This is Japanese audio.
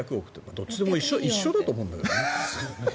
どっちも一緒だと思うんだけどね。